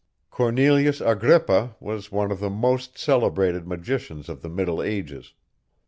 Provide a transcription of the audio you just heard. Cornelius Agrippa was one of the most celebrated magicians of the middle ages.